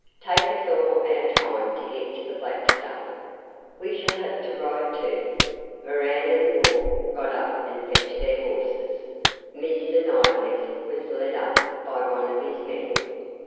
'Take us all our time to get to the Black Stump. We shall have to ride, too.' Moran and Wall got up and fetched their horses. Mr. Knightley's was led up by one of his men.